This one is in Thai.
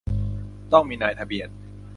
ต้องมีนายทะเบียน